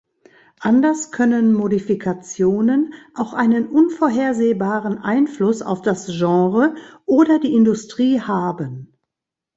Anders können Modifikationen auch einen unvorhersehbaren Einfluss auf das Genre oder die Industrie haben.